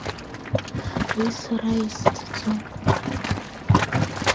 Уи сара исӡаӡом.